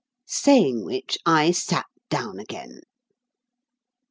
Saying which, I sat down again.